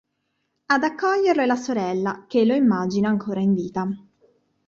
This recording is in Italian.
Ad accoglierlo è la sorella, che lo immagina ancora in vita.